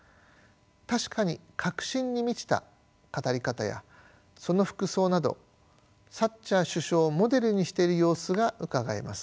確かに確信に満ちた語り方やその服装などサッチャー首相をモデルにしている様子がうかがえます。